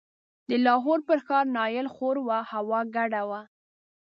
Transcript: د لاهور پر ښار نایل خور و، هوا ګډه وه.